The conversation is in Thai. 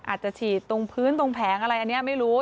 อาจจะฉีดตรงพื้นตรงแผงอะไรอันนี้ไม่รู้